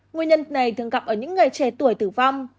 nguyên nhân này thường gặp ở những người trẻ tuổi tử vong